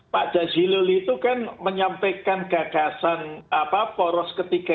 pak jazilul itu kan menyampaikan gagasan poros ketiga